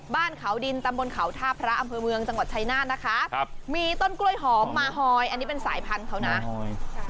บ้านเขาดินตำบลเขาท่าพระอำเภอเมืองจังหวัดชายนาฏนะคะครับมีต้นกล้วยหอมมาฮอยอันนี้เป็นสายพันธุ์นะ